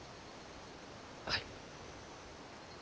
はい。